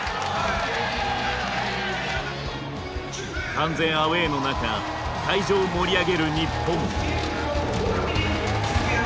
完全アウェーの中会場を盛り上げる日本。